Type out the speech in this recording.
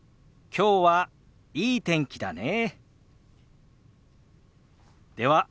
きょうはいい天気だね。